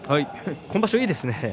今場所いいですね。